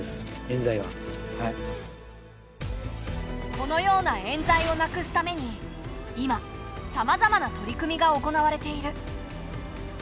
このようなえん罪をなくすために今さまざまな取り組みが行われている。